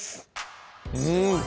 うん